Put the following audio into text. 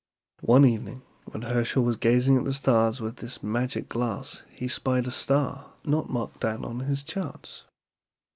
One evening when Herschel was gazing at the stars with this magic glass he spied a star not marked down on his charts.